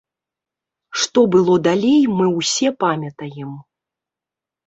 Што было далей, мы ўсе памятаем.